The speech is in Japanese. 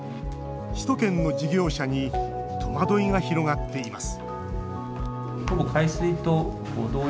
首都圏の事業者に戸惑いが広がっています